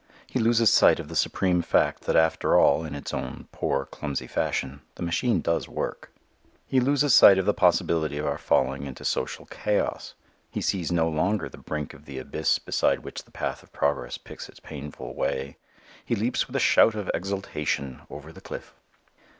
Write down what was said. He loses sight of the supreme fact that after all, in its own poor, clumsy fashion, the machine does work. He loses sight of the possibility of our falling into social chaos. He sees no longer the brink of the abyss beside which the path of progress picks its painful way. He leaps with a shout of exultation over the cliff.